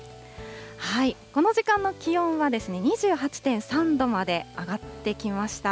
この時間の気温は２８．３度まで上がってきました。